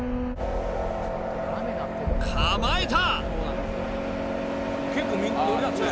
構えた！